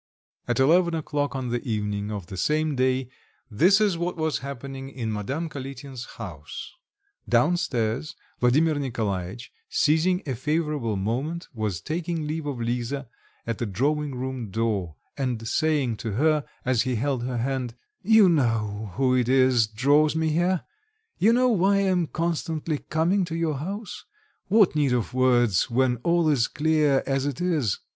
At eleven o'clock on the evening of the same day, this is what was happening in Madame Kalitin's house. Downstairs, Vladimir Nikolaitch, seizing a favourable moment, was taking leave of Lisa at the drawing room door, and saying to her, as he held her hand, "You know who it is draws me here; you know why I am constantly coming to your house; what need of words when all is clear as it is?"